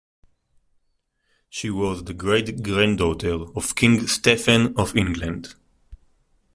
She was the great-granddaughter of King Stephen of England.